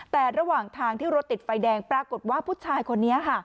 แต่ระหว่างทางที่รถติดไฟแดงปรากฏว่าผู้ชายคนนี้ค่ะ